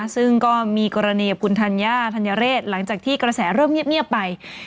ซึ่งก็มีกรณีกับคุณธัญญาธัญเรศหลังจากที่กระแสเริ่มเงียบไป